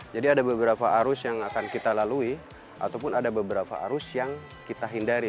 jadi ada beberapa arus yang akan kita lalui ataupun ada beberapa arus yang kita hindari